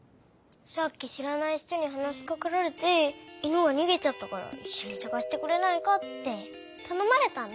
さっきしらない人にはなしかけられて「いぬがにげちゃったからいっしょにさがしてくれないか」ってたのまれたんだ。